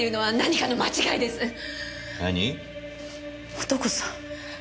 素子さん。